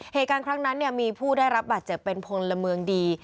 เหตุการณ์ครั้งนั้นมีผู้ได้รับบาดเจ็บเป็นพลเมืองดี